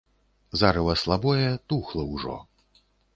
Зарыва слабое, тухла ўжо.